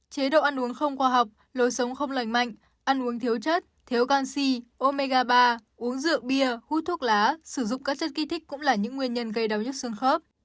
chế độ ăn uống không khoa học lối sống không lành mạnh ăn uống thiếu chất thiếu canxi omega ba uống rượu bia hút thuốc lá sử dụng các chất kích thích cũng là những nguyên nhân gây đau nhất xương khớp